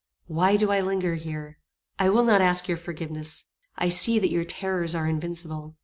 "Why do I linger here? I will not ask your forgiveness. I see that your terrors are invincible.